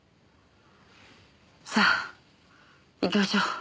さあ行きましょう。